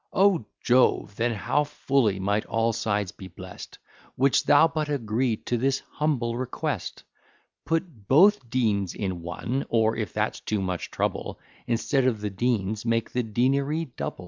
O Jove! then how fully might all sides be blest, Wouldst thou but agree to this humble request! Put both deans in one; or, if that's too much trouble, Instead of the deans, make the deanery double.